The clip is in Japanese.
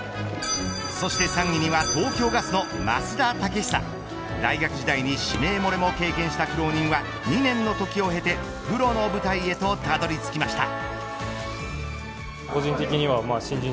そして３位には東京ガスの益田武尚大学時代に指名漏れも経験した苦労人は２年の時を経て、プロの舞台へとたどり着きました。